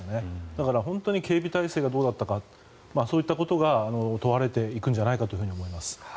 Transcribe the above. だから本当に警備態勢がどうだったかそういったことが問われていくんじゃないかと思います。